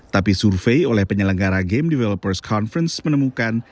tapi survei oleh penyelenggara game developers conference menemukan